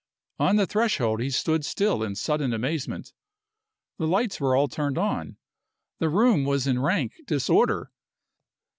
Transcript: On the threshold he stood still in sudden amazement. The lights were all turned on, the room was in rank disorder.